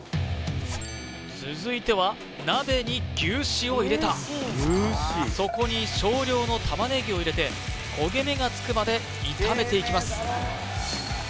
続いては鍋に牛脂を入れたそこに少量の玉ねぎを入れて焦げ目がつくまで炒めていきます